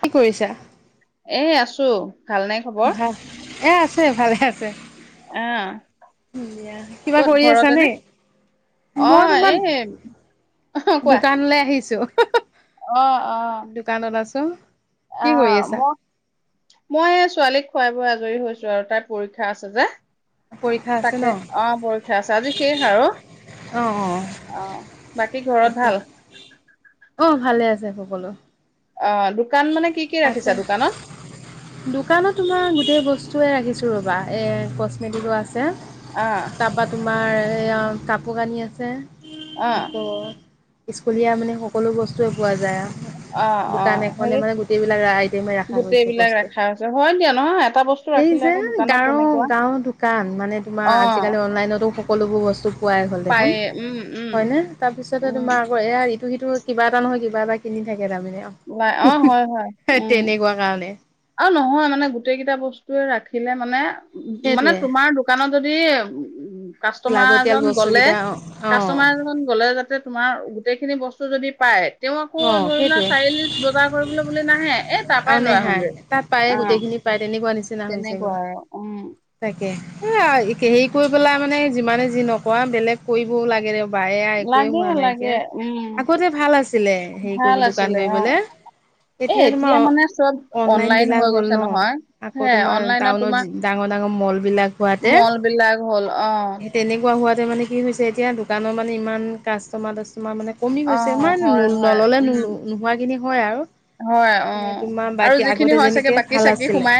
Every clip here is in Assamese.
কি কৰিছা? এই আছোঁ। ভাল নে খবৰ? এই ভালে আছে। আহ কিবা ক'ত কৰি আছা নে? ঘৰতেনে অ মই তোমাৰ, এই অ কোৱা দোকানলৈ আহিছোঁ। অ' অ'। [unintelligible] কৰি আহ আছা? ম মই ছোৱালীক খুৱাই-বোৱাই আজৰি হৈছোঁ আৰু তাইৰ পৰীক্ষা আছে যে। পৰীক্ষা আছে ন? তাকে অ পৰীক্ষা আছে আজি শেষ আৰু অঁ অঁ অ, বাকী ঘৰত ভাল? অ ভালে আছে সকলো। অ দোকান মানে কি কি আছে ৰাখিছা দোকানত দোকানত তোমাৰ গোটেই বস্তুয়ে ৰাখিছ ৰ'বা এ কচমেটিকৰো আছে অ চে তাপা তু আমাৰ এইয়া কাপোৰ কানি আছে। অহ আকৌ স্কুলীয়া মানে সকলো বস্তুৱে পোৱা যায় আৰু। অ, অ মানে হেৰি মানে গোটেইবিলাক আইটেমে ৰখা গোটেই গৈছে বিলাক বস্তু, ৰাখা হৈছে হয় দিয়া নহয় এটা বস্তু সেই ৰাখিলে যে আকৌ দোকানত গাঁওৰ তেনেকুৱা গাঁওৰ দোকান মানে তোমাৰ অ আজিকালি অনলাইনতো সকলোবোৰ বস্তু পোৱাই গ'ল দেখোন, পায়ে উম উম হয়নে তাৰপিছতে উম তোমাৰ আকৌ এয়া ত সিটো কিবা এটা নহয় কিব এটা কিনি থাকে কেটামানে লাই অ হয় হয় আঅ উম তেনেকুৱা কাৰণে। নহয় মানে গোটেই কেইটা বস্তুটোয়ে ৰাখিলে মানে মানে সেইটোৱে তোমাৰ দোকানত যদি উম! কাষ্টমাৰ লাগতিয়াল এজন গ'লে, বস্তুকেইটা অ অ কাষ্টমাৰ এজন গ'লে যাতে তোমাৰ গোটেইখিনি বস্তু যদি পায়, তেওঁ আকৌ অ ধৰি লোৱা সেইটোৱে চাৰিআলি বজাৰ কৰিবলৈ বুলি নাহে এ তাৰ আৰু পৰাই লৈ নেহাই আহোগৈ তাত পায়ে গোটেইখিনি পায় তেনেকুৱা নিচিনা হৈছেগৈ তেনেকুৱা আৰু উম তাকে এ হেৰি কৰি পেলাই মানে যিমানে যি নকৰা বেলেগ কৰিবও লাগে বায়া একোৱে লাগে হোৱা লাগে নাইকিয়া উম আগতে ভাল আছিলে হেৰি কৰিব ভাল দোকান আছিলে অ কৰিবলে এ এতিয়া তোমাৰ মানে চব অনলাইন বিলাক হৈ হ'ল গৈছে ন নহয় আকৌ হে তোমাৰ অনলাইনত টাউন তোমাৰ ডাঙৰ মল বিলাক হোৱাতে মল বিলাক হ'ল অহ সেই তেনেকুৱা হোৱাতে মানে কি হৈছে এতিয়া দোকানৰ মানে ইমান কাষ্টমাৰ তোমাৰ মানে কমি অ গৈছে ইমান ন হয় হয় নললে নো উম নোহোৱাখিনি হয়, আৰু। হয় এনে অ' তোমাৰ আৰু বাকী যিখিনি আগতে হয় চাগে যেনেকে বাকী ভাল চাকি আছিলে সোমাই।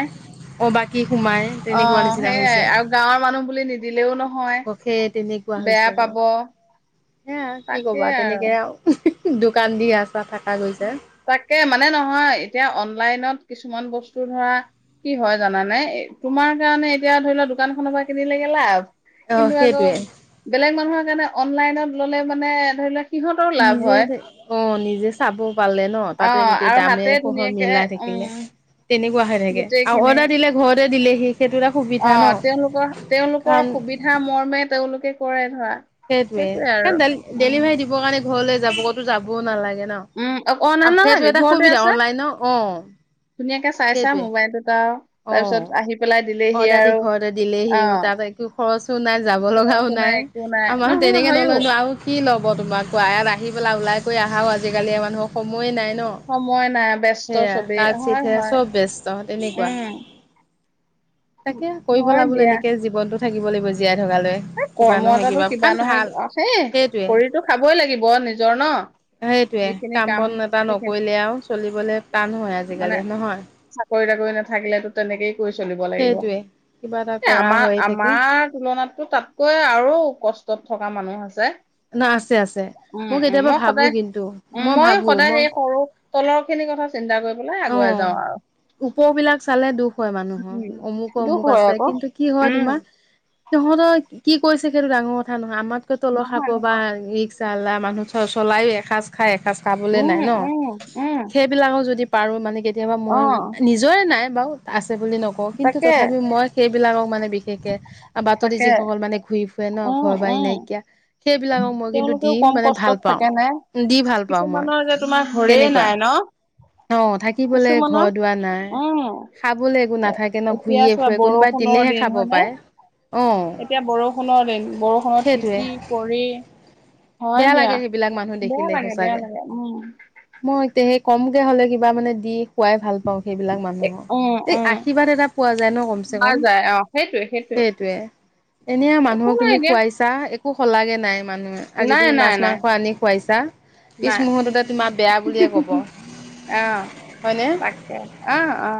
অ বাকী সোমাই। অ তেনেকুৱা নিচিনা সেইয়াই হৈছে আৰু গাঁৱৰ মানুহ বুলি নিদিলেও নহয় সেই তেনেকুৱা বেয়া হৈছে গৈ পাব সেয়া কি ক'বা তাকে তেনেকে আৰু। দোকান দি আছে। তাকে মানে নহয় এতিয়া অনলাইনত কিছুমান বস্তু ধৰা কি হয় জানানে এ তোমাৰ কাৰণে এতিয়া ধৰি লোৱা দোকান খনৰ পৰা কিনি লেগে লাভ। অ কিন্তু আকৌ সেইটোৱে বেলেগ মানুহ হ কাৰণে অনলাইনত ল'লে মানে ধৰি লওক সিহঁতৰ লাভ হয়। জে চাব। পালে ন তাতে অ' গোটেই আৰু দামে হাতে সহৰ ধুনীয়াকে মিলাই উম থাকিলে তেনেকোৱা হৈ থাকে আৰু গোটেইখিনি অৰ্ডাৰ দিলে ঘৰতে দিলে অ তেওঁলোকৰ তেওঁলোকৰ কাৰণ সুবিধা মৰ্মে তেওঁলোকে কৰে ধৰা সেইটোয়ে সেইটোৱে হে আৰু ডে উম ডেলিভাৰী দিবৰ কাৰণে ঘৰলৈ যাব কতো যাবও নালাগে। উম অনা ন সেইটো নালাগে এটা ঘৰতে সুবিধা অনলাইনৰ অ চাইছা সেইটোৱে মোবাইলটোত আৰু অ তাৰপিছত আহি পেলাই দিলেহি অৰ্ডাৰ দি আৰু ঘৰতে দিলেহি অ তাৰপৰা একো খৰচও নাই যাব লগাও খোৱা নাই একো নাই আমাৰ নহয় তেনেকে হয়ো নলয়নো আৰু কি লব তোমাৰ কোৱা ইয়াত আহি পেলাই ওলাই কৈ আহাও আজিকালি মানুহক সময়ে নাই। ন সময় নাই ব্যস্ত সেয়া চবেই কাঠ হয় চিতহে হয় চব ব্যস্ত তেনেকুৱা উম তাকে কৰিব পেলা হয় বো দিয়া এনেকে জীৱনটোত থাকিব লাগিব জীয়াই থকালৈ। এ কিবা কৰ্ম নহয় এটাতো কিবা তাত নহয় ভাল অ সেই সেইটোৱে কৰিতো খাবই লাগিব নিজৰ ন সেইটোৱে যিখিনি কাম বন এটা সেইখিনি নকৰিলে আও চলিবলে টান হয় আজিকালি নহয়। ৰি নাথাকিলে তো তেনেকেই কৰি চলিব লাগিব সেইটোৱে কিবা এটা এ কৰা আমাৰ হৈ থাকে আমাৰ তুলনাত কতা কৈ আৰু কষ্টত থকা মানুহ আছে ন আছে আছে উম, মই উম, কেতিয়াবা ভাবো সদায় কিন্তু উম, মই ময়ো ভাবো সদায় মই সেই সৰু তলৰ খিনি কথা চিন্তা কৰি পেলাই অ আগুৱাই যাওঁ আৰু। ওপৰবিলাক চালে দুখ হয় মানুহৰ উম, অমুকো দুখ অমুক হয় আছে আকৌ। কিন্তু কি হয় উম, তোমাৰ সিহঁতৰ কি কৈছে সেইটো ডাঙৰ কথা নহয় আমাৰ তকৈ তলৰ খাপ নহয়, বা নহয়, মিস্ক জালা মানুহ চ চলায়ো এসাঁজ খাই এসাঁজ খাবলে নাই উম, ন উম, উম, সেইবিলাকো যদি আৰু মানে কেতিয়াবা মইও অ', নিজৰে এ নাই বাৰু আ বুলি নকওঁ কিন্তু তাকে, তথাপি মই সেই বিলাকক মানে বিশেষকে বাততে তাকে, যিসকল মানে ঘূৰি ফুৰে ন উম, ঘৰ বাই উম, নাইকিয়া। সেইবিলাকক মই কিন্তু তেওঁলোকেও দি কম মানে ভাল কষ্টত পাওঁ থাকে নে দি ভাল পাওঁ মই কিছুমানৰ যে তোমাৰ ঘৰেই তেনেকুৱা নাই ন। অ থাকিবলৈ কিছুমানৰ, ঘৰ দুৱাৰ নাই, উম, খাবলৈ একো নাথাকে ন এতিয়া ঘূৰিয়ে চোৱা ফুৰে কোনোবাই বৰষুণৰ দিলেহে দিন খাব হয় নে? পায়। অ এতিয়া বৰষুণৰ দিন, বৰষুণত তিতি সেইটোৱে। [inaudible] হয় বেয়া দিয়া, লাগে সেইবিলাক মানুহ বেয়া দেখিলে লাগে, বেয়া সচাকে লাগে, উম, মই এতিয়া সেই কম। তেতিয়া হ'লে কিবা মানে দি। খোৱাই ভাল পাওঁ সেইবিলাক এ- মানুহক উম, এই উম। আশীৰ্বাদ এটা পোৱা যায় ন কমচে পোৱা কম যায় অ সেইটোৱে সেইটোৱে এনে একো মানুহক নাই তুমি দিয়া খোৱাইছা। একো সলাগে নাই। মানুহে আজি নাই তুমি মাছ নাই নাই মাংস আনি খুৱাইছা পিছ মুহৰ্ততে তোমাৰ বেয়া বুলিয়ে ক'ব। আহ হয়নে? তাকে আহ অ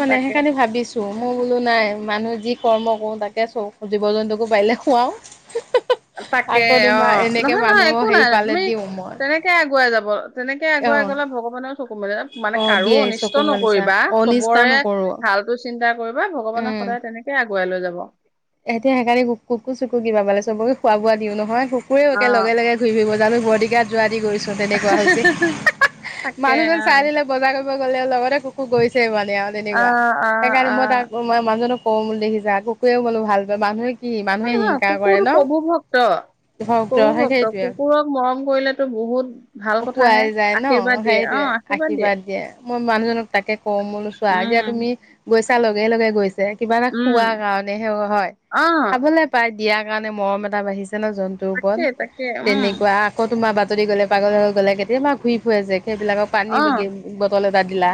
মানে তাকে। সেইকাৰণে ভাবিছোঁ মই বোলো নাই মানুহ যি কৰ্ম কৰো তাকে চও জীৱ জন্তুকো পাৰিলে খুৱাও। তাকে আকৌ অ তোমাৰ এনেকে নহয় নহয় মানুহৰ একো হেৰি নাই নাই পালে তুমি দিওঁ মই। তেনেকে আগুৱাই যাব তেনেকে অ'। গলে ভগৱানেও চকু ম মানে অ কাৰো দিয়ে অনিষ্ট চকু মালিচা নকৰিবা অনিষ্টা চবৰে নকৰো ভালটো। চা। [unintelligible] কৰিবা ভগৱানে উম সদায় তেনেকে আগ গোৱাই লৈ যাব এতিয়া সেইকাৰণে কুকু চুকু কিবা বালে চবকে খোৱা বোৱা দিওঁ নহয় অ একে লগে লগে ঘূৰি ফৰিব গ। বদি গাড যোৱাদি গৈছে। তেনেকুৱা হৈছে তাকে মানুহজন চাই দিলে বজাৰ ফুৰিব গলে লগতে গৈছে মানে আৰু অ তেনেকুৱা অ সেইকাৰণে অ মই তাক মই মানুহজনক। ক দেখি যা কুকু মানে ভাল পোৱা মানুহে ন নহয় কুকুৰ ন প্ৰভু ভক্ত ভক্ত প্ৰভু হয় ভক্ত সেইটোৱে কুকুৰৰ মৰম কৰিলেতো বহুত। ভাল পোৱাই কথাহে যায় ন আশীৰ্বাদ দিয়ে অ সেইটয়ে আশীৰ্বাদ দিয়ে। মোৰ মানুহজনক তাকে কওঁ মই বোলো ছোৱা আজি আ উম, তুমি গৈছা লগে লগে গৈছে। যে কিবা এটা উম, খোৱা কাৰণে হে হয়। অ, খাবলৈ পায় ইয়াৰ কাৰণে মৰম এটা বাঢ়িছে। যেন জন্তুৰ ওপৰত। তাকে, তাকে, উম, তেনেকুৱা আকৌ তোমাৰ বা যদি গ'লে পাগল হৈ গ'লে কেতিয়াবা ঘূৰি ফুৰে যে সেইবিলাকৰ পানী অ, বা গি- বটল বা দিলা।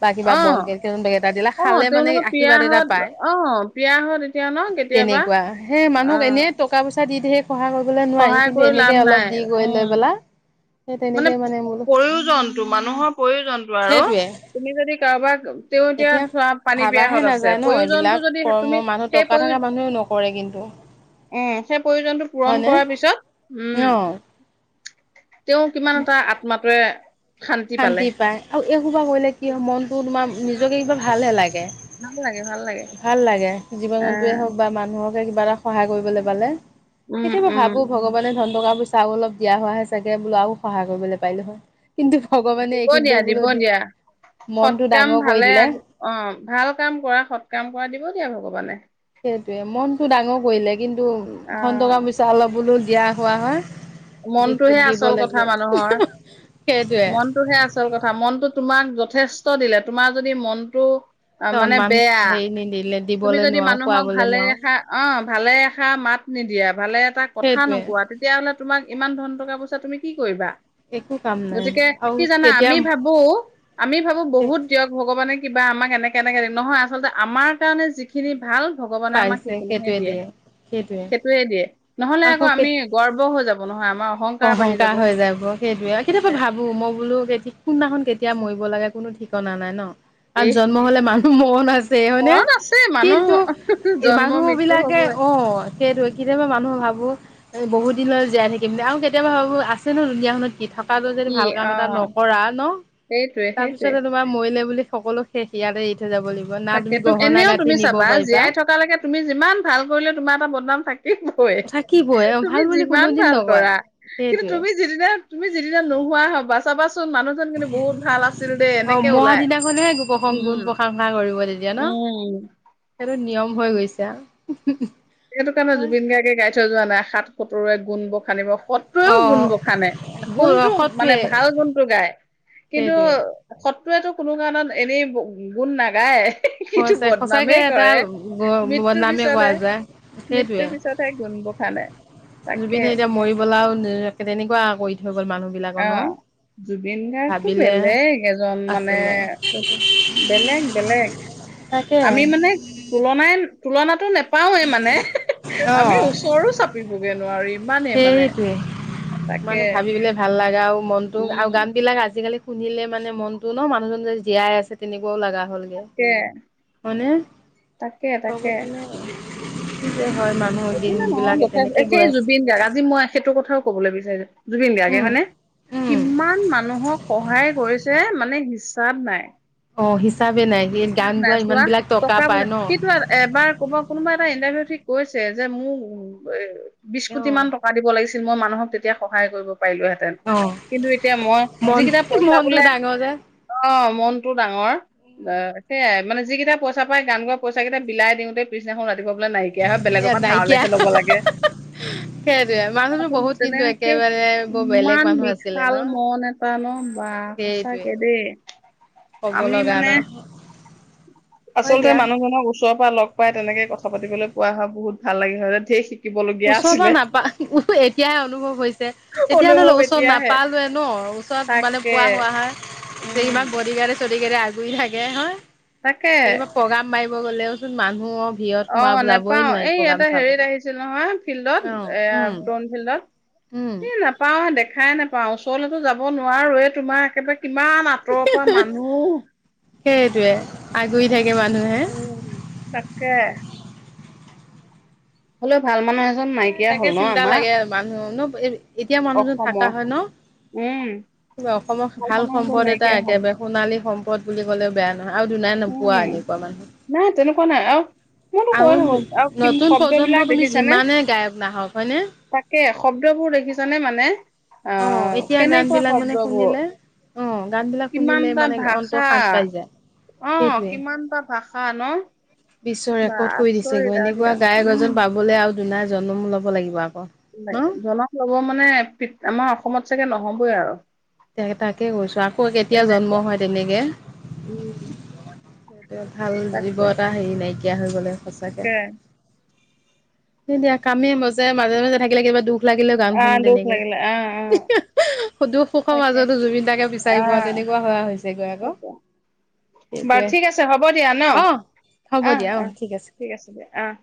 বা অ, কিবা বন কে কেইটামান বেগ এটা দিলা, অ, খালে মানে তেওঁলোকৰ আশীৰ্বাদ এটা পীড়াহত পায়। অ, পীড়াহত এতিয়া ন কেতিয়াবা তেনেকুৱা। সেই অ, মানুহক এনেই টকা পইচা দি ধেৰ সহায় কৰিবলৈ নোৱাৰি। সহায় কিন্তু কৰি লাভ এনেকে নাই, অলপ দি গৈ উম, লৈ পেলাই মানে প্ৰয়োজনটো- মানুহৰ প্ৰয়োজনটো আৰু। সেইটোৱে তুমি যদি কাৰোবাক- তেওঁ এতিয়া চোৱা পানী ভাবাহে পিয়াহত আছে। নাযায় ন এইবিলাক প্ৰয়োজনটো যদি হে কৰ্ম তুমি- মানুহ সেই টকা প্ৰয়ো- থকা মানুহেও নকৰে কিন্তু। উম, সেই প্ৰয়োজনটো পূৰণ হয়নে? কৰাৰ পিছত, অ উম। তেওঁ কিমান এটা আত্মাটোৱে শান্তি পায়। আৰু এসোপা কৰিলে কি হয়, মনটো তোমাৰ নিজকে কিবা ভালহে লা গে। ভাল লাগে, ভাল লাগে, ভাল লাগে জীৱ জন্তুৱে আহ, হওঁক বা মানুহক কিবা এটা সহায় কৰিবলৈ পালে। উম, কেতিয়াবা উম। ভাবো ভগৱানে ধন টকা-পইচা আৰু অলপ দিয়া হোৱাহে চাগে, বোলো আৰু সহায় কৰিবলৈ পাৰিলোঁ হয়। কিন্তু ভগৱানে দিব এইখিনিতে দিয়া। দিব বোলো দি দিয়া। সৎ মনটো কাম ডাঙৰ কৰি ভালে দিলে। আ- অ' ভাল কাম কৰা, সৎ কাম কৰা, দিব দিয়া ভ ভগৱানে। সেইটোৱে, মনতো ডাঙৰ কৰিলে। কিন্তু ধন, আহ টকা-পইচা অলপ বোলো দিয়া হোৱা হয়। দি মনটোহে দিব আচল কথা লাগে। মানুহৰ। সেইটোৱে মনটোহে আচল কথা। মনটো তোমাক যথেষ্ট দিলে, তোমাৰ যদি মনটো অ' মানে অনুমান বেয়া। হেৰি নিদিলে তুমি দিবলৈ যদি নোৱাৰো মানুহক খুৱাবলৈ ভালে নোৱাৰো ৰাখা, অ' ভালে এষাৰ মাত নিদিয়া, ভালে এটা কথা সেইটোৱে নোকোৱা, তেতিয়াহ'লে ইমান ধন, টকা-পইচা তুমি কি কৰিবা? একো কাম নাই গতিকে আৰু কি জানা? কেতিয়া আমি ভাবো আমি ভাবো বহুত দিয়ক ভগৱানে কিবা আমাক এনেকে - এনেকে দে, নহয়। আচলতে আমাৰ কাৰণে যিখিনি ভাল, ভগৱানে আমাক সেইখিনিহে দিয়ে। সেইটোৱে দিয়ে। নহ'লে আকৌ আমি গৰ্ব হৈ যাব নহয় আম অহংকাৰ হৈ যাব সেইটোৱে। কেতিয়াবা ভাবো মই বোলো কেতি কোনদিনাখন, কেতিয়া মৰিব লাগে কোনো ঠিকনা নাই ন? আৰু এই জন্ম হলে মান মন আছ আছে হইনে ঘৰত আছে মানুহ কিন্তু জন্ম মানুহ মৃত্যু বিলাকে হবই অ সেইটোৱে কিন্তু আমি মানুহ ভাবো এ বহুত দিন হল জীয়াই থাকিম আৰু কেতিয়াবা ভাবো আছে নো দুনীয়াখনত কি? থাক তাতো যদি কি ভাল কাম অ এটা নকৰা ন, সেইটোৱে সেইটোৱে তাৰপিছতে তোমাৰ মৰিলে বুলি সকলো শেষ ইয়াতেই তাকে তুম এনেও তুমি চাবা। পাৰিবা জীয়াই থকালৈকে তুমি যিমান ভাল কৰিলে তোমাৰ এটা বদনাম থাকিবই। থাকিবই তুমি ভাল বুলি যিমান কোনোদিন ভাল নকয় কৰা, কিন্তু সেইটোৱে তুমি যিদিনা তুমি যিদিনা নোহোৱা হবা চাবাচোন চোন মানুহজন কিন্তু বহুত ভাল আছিল দেই। অ এনেকে মৰা ওলাই দিনাখনহে প্ৰসং উম। গুণ প্ৰশংসা কৰিব তেতিয়া ন, উম। সেইটো নিয়ম হৈ গৈছে আৰু। সেইটো কাৰণে জুবিন গাৰ্গে গাই থৈ যোৱা নাই সাত সতৰুৱে গুণ বখানিব অ সত্ৰুৱেও গুণ বসানে। গুণটো সতোৱে মানে ভাল গুণটো গায়, কিন্তু সেইটোৱে সত শত্ৰুৱে টো কোনো কাৰণত এনেই গু গুণ নাগায়। কিন্তু সচাই সচাকে বদনামেই এটা কৰে মৃত্যুৰ বদনামে কোৱা পিছতহে যায়। সেইটোৱে মৃত্যুৰ পিছতহে গুণ বখানে। তাকে জুবিনে এতিয়া মৰিবলাও তেনেকুৱা কৰি থৈ গ'ল মানুহ বিলাকৰ ন আহ জুবিন গাৰ্গটো ভাবিলে বেলেগ এজন মানে আছিলে বেলেগ-বেলেগ তাকে আমি মানে তুলনাই, তুলনাত ন [unintelligible] পাওঁৱে মানে। অ আমি ওচৰো চাপিবগে নোৱাৰিম। সেইটোৱে। মানে ভাবি পেলাই ভাল লাগা আৰু মনটো আৰু উম গান বিলাক আজিকালি শুনিলে মানে মনতো ন মানুহজন যে জীয়াই আছে তেনেকুৱাও লগা হলগে তাকে হয়নে? তাকে তাকে [unintelligible] [unintelligible] হয় মানুহৰ দিন মানে নহয় বিলাকে যথেষ্ট এ, তেনেকে গৈ সেই জুবিন গাৰ্গ আছে। আজি মই সেইটোৰ কথাও কবলৈ বিচাৰছো। জুবিন গাৰ্গে উম হয়নে উম কিমান মানুহক সহায় কৰিছে মানে হিচাপ নাই। অ হি হিচাপ নাই চোৱা টকা পায় পইচা ন কিটো এবাৰ ক'বাত কোনোবা এটা ইণ্টাৰভিউ ঠিক কৈছে যে মোক উ বিশ অ কোটি মান টকা দিব লাগিছে মই মানুহক তেতিয়া সহায় কৰিব পাৰিলোহেতেন অ কিন্তু এতিয়া মই মন যিকেইটা পইচা মনটো বোলে ডাঙৰ যে অ মনটো ডাঙৰ। সেয়াই মানে যিকেইটা পইচ পাই গান গোৱা পইচা কেইটা বিলাই দিওঁতেই পিছদিনাখন ৰাতিুৱা বলে নাইকিয়া হয় এ বেলেগৰ পৰা নাইকিয়া ধাৰলেহে লব লাগে সেইটোৱে মানুহতো আচলতে বহুত তেনে কিন্তু সেই একেবাৰে বৰ বেলেগ ইমান মানুহ আছিলে বিশাল ন মন এটা ন বা সেইটোৱে সচাকে দেই। ক'ব আমি লগা মানে ন। হয় আচলতে দিয়া মানুহজনক ওচৰৰ পৰা লগ পাই তেনেকে কথা পাতিবলৈ পোৱা হ বহুত ভাল লাগে হয় যে ঢেৰ ওচৰ পৰা নাপা এতিয়াহে অনুভৱ হৈছে তেতিয়া অনুভৱ নহলেও ওচৰত এতিয়াহে নাপালোৱে ন ওচৰত মানে তাকে পোৱা হোৱা হয় যে উম ইমান বৰ্ডিগাৰ্ডে চৰ্ডিগাডে আ ঘুৰি থাকে হয়। তাকে কেনেকুৱা প্ৰগ্ৰাম মাৰি গ'লেওচোন মানুহৰ ভিৰত অ সোমাব যাবই নেপাও নোৱাৰি এই প্ৰগ্ৰাম ইয়াতে হেৰিত চাবলৈ আহিছিল নহয়। ফিল্ডত অ এ উম তন ফিল্ডত উম এ নাপাও দেখাই নাপাওঁ। ওচৰলৈতো যাব নোৱাৰোৱে তোমাৰ একেবাৰে ইমান আঁতৰৰ পৰা মানুহ। সেইটোৱে আগুৰি থাকে মানুহে উম তাকে। হ'লেও ভাল মানুহ আ তাকে চিন্তা লাগে মানুহ ন এতিয়া মানুহজন থাকা অসমৰ হয় ন উম অসমৰ ভাল মানুহ এজন সম্পদ এটা নাইকিয়া হ'ল একেবাৰে সোণালী সম্পদ। 'ত বুলি ক'লে বেয়া আৰু দুনাই নোপোৱা উম এনেকুৱা মানুহ নাই তেনেকুৱা নাই আৰু মইতো আৰু কৈ থাকো নু আৰু কি নতুন শব্দ প্ৰজন্ম বিলাক তুমি দেখিছানে যিমানে গায়ক নাহক হয়নে তাকে শব্দবোৰ দেখিছানে মানে অ আহ এতিয়া গান কেনেকুৱা বিলাক মানে শব্দবোৰ শুনিলে অ গান বিলাক শুনিলে কিমানটা মানে অন্তৰ ভাষা শাত পাই যায় অ, সেইটোৱে কিমান তা ভাষা ন? বিশ্ব বা ৰেকৰ্ড কৰি দিছে আচৰিত গৈ, আৰু দিয়া এনেকুৱা গায়ক উম এজন পাবলৈ আ দোনাই জনম ল'ব লাগিব আক জনক লব মানে পি আমাৰ অসমত চাগে নহ'বই আৰু। তাকে কৈছো, আকৌ কেতিয়া জন্ম তেনেকুৱা হয়, তেনেকে। উম [unintelligible] ভাল জীৱ তাকে এটা হেৰি নাইকি এয়া হৈ গ'লে সঁচাকে। তাকে। সেই দা কামে মজে মাজে- মাজে থাকিলে কিবা দুখ লাগিলেও গান আহ শুনো দুখ তেনেকে। লাগিলে আহ আহ দুখ সুখৰ তাকে মাজতো জুবিন দাকে বিচাৰি পোৱা আহ তেনেকুৱা হোৱা হৈছেগৈ আকৌ তাকে বাৰু সেইটোৱে। ঠিক আছে হ'ব দিয়া ন অহ, হ'ব আহ দিয়া, অ আহ ঠিক আছে। দিয়া আহ